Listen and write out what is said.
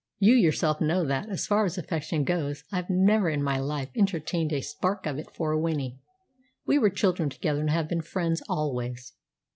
You yourself know that, as far as affection goes, I've never in my life entertained a spark of it for Winnie. We were children together, and have been friends always."